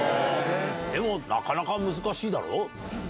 でもなかなか難しいだろ？